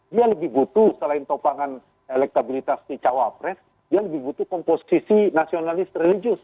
dia lebih butuh selain topangan elektabilitas di cawapres dia lebih butuh komposisi nasionalis religius